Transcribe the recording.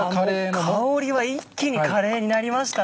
香りは一気にカレーになりましたね。